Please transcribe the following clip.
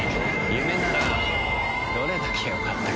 夢ならどれだけよかったか。